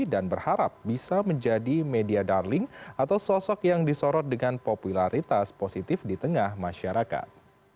dan berharap bisa menjadi media darling atau sosok yang disorot dengan popularitas positif di tengah masyarakat